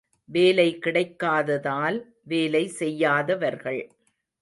வேலை கிடைக்காததால் வேலை செய்யாதவர்கள்.